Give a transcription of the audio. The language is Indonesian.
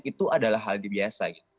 itu adalah hal yang biasa